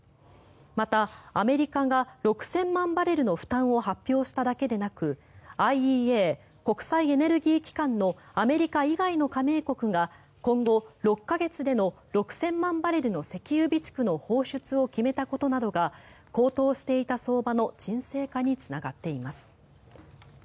また、アメリカが６０００万バレルの負担を発表しただけでなくＩＥＡ・国際エネルギー機関のアメリカ以外の加盟国が今後６か月での６０００万バレルの石油備蓄の放出を決めたことなどが高騰していた相場の沈静化につながっています。